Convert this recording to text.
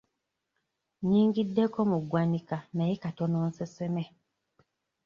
Nnyingiddeko mu ggwanika naye katono nseseme.